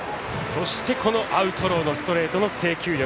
そして、アウトローのストレートの制球力。